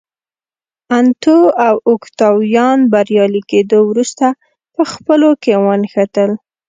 انتو او اوکتاویان بریالي کېدو وروسته په خپلو کې ونښتل